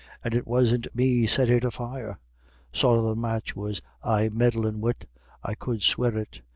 And it wasn't me set it afire. Sorra the match was I meddlin' wid, I could swear it.